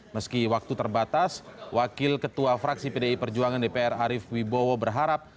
meski waktu terbatas wakil ketua fraksi pdi perjuangan dpr arief wibowo berharap